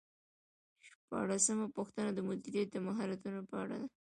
شپاړسمه پوښتنه د مدیریت د مهارتونو په اړه ده.